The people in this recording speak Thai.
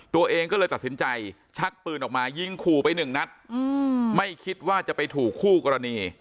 ตัวเองก็เลยตัดสินใจชักปืนออกมายิงขู่ไปหนึ่งนัดไม่คิดว่าจะไปถูกคู่กรณี